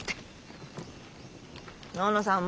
のんのさん